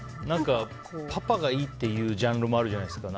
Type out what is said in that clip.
パパがいいっていうジャンルもあるじゃないですか